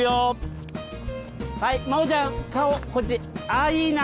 あいいな。